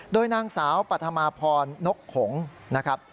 โดยนางสาวปัธมาพรนกหงนะครับ